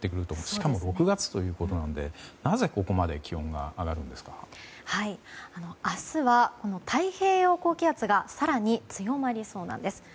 しかも６月ということなのでなぜ、ここまで明日は太平洋高気圧が更に強まりそうなんです。